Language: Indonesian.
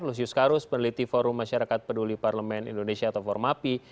lusius karus peneliti forum masyarakat peduli parlemen indonesia atau formapi